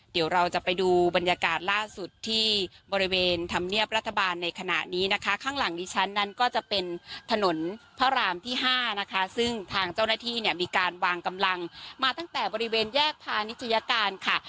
เดี๋ยวเราจะไปดูบรรยากาศล่าสุดที่บริเวณธรรมเนียบรัฐบาลในขณะนี้นะคะข้างหลังดิฉันนั้นก็จะเป็นถนนพระรามที่ห้านะคะซึ่งทางเจ้าหน้าที่เนี่ยมีการวางกำลังมาตั้งแต่บริเวณแยกพาณิชยการค่ะ